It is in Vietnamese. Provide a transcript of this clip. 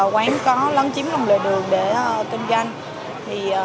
quán có lấn chiếm lồng lệ đường để kinh doanh